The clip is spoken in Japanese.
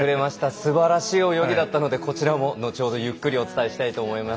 すばらしい泳ぎだったのでこちらも後ほどゆっくりお伝えしたいと思います。